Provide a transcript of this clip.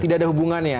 tidak ada hubungannya